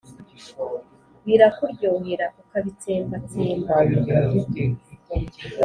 Birakuryohera ukabitsemba, tsemba